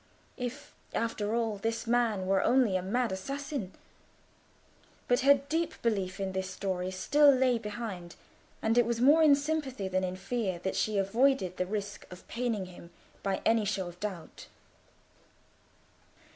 If, after all, this man were only a mad assassin? But her deep belief in this story still lay behind, and it was more in sympathy than in fear that she avoided the risk of paining him by any show of doubt.